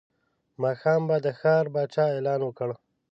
ماښام به د ښار پاچا اعلان وکړ.